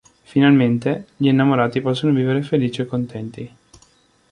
Finalmente, gli innamorati possono vivere felici e contenti.